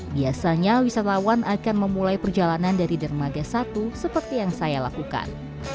biasanya wisatawan akan memulai perjalanan dari dermaga satu seperti yang saya lakukan